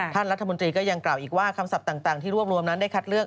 ท่านรัฐมนตรีก็ยังกล่าวอีกว่าคำศัพท์ต่างที่รวบรวมนั้นได้คัดเลือก